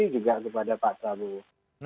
juga kepada pak prabowo